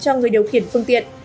cho người điều khiển phương tiện